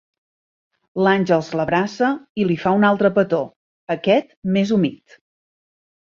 L'Àngels l'abraça i li fa un altre petó, aquest més humit.